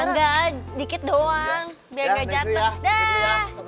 ya nggak dikit doang biar nggak jatoh